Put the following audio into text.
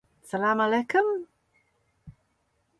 شفقت کا رویہ رکھیں۔